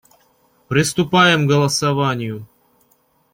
Приступаем к голосованию.